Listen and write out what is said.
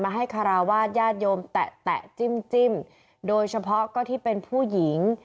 ให้คาราวาสญาติโยมแตะจิ้มโดยเฉพาะก็ที่เป็นผู้หญิง